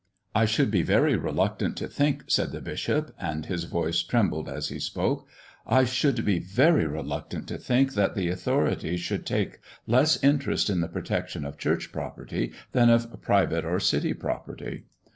"I should be very reluctant to think," said the bishop, and his voice trembled as he spoke "I should be very reluctant to think that the authorities should take less interest in the protection of church property than of private or city property."